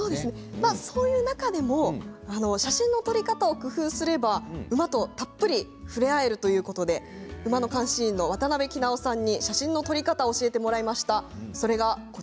そういう中でも写真の撮り方を工夫すれば馬とたっぷり触れ合えるということで馬の監視員の渡邉さんに写真の撮り方を教えていただきました。